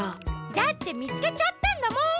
だってみつけちゃったんだもん。